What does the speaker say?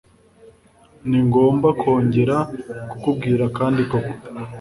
Ningomba kongera kukubwira kandi koko?